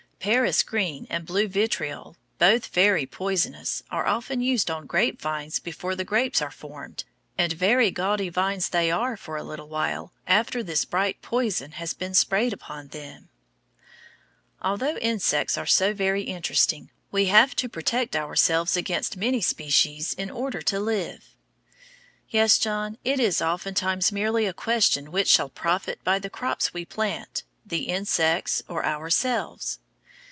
Paris green and blue vitriol, both very poisonous, are often used on grape vines before the grapes are formed, and very gaudy vines they are for a little while after this bright poison has been sprayed upon them. Although insects are so very interesting, we have to protect ourselves against many species in order to live. Yes, John, it is oftentimes merely a question which shall profit by the crops we plant, the insects or ourselves.